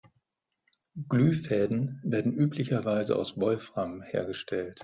Glühfäden werden üblicherweise aus Wolfram hergestellt.